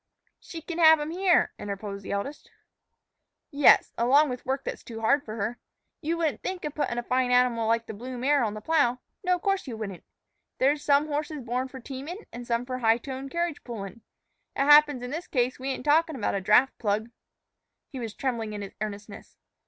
"She can have 'em here," interposed the eldest. "Yes, along with work that's too hard on her. You wouldn't think of puttin' a fine animal like the blue mare on the plow; no, of course you wouldn't. There's some horses born for teamin' an' some for high toned carriage pullin'. It happens in this case we ain't talkin' about a draft plug." He was trembling in his earnestness.